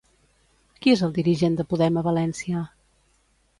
Qui és el dirigent de Podem a València?